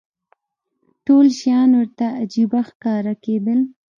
ټول شیان ورته عجیبه ښکاره کېدل.